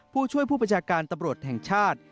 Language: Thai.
ผู้ช่วยผู้ประชาการตำรวจแห่งชาติ